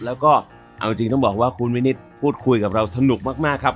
แล้วก็เอาจริงต้องบอกว่าคุณวินิตพูดคุยกับเราสนุกมากครับ